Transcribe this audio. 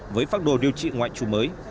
với pháp đồ điều trị ngoại trù mới